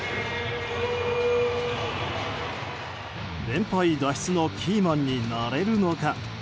連敗脱出のキーマンになれるのか？